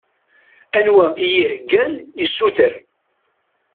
Anwa i yeheggan i usuter